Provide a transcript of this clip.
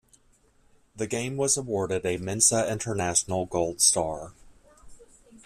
The game was awarded a Mensa International Gold Star.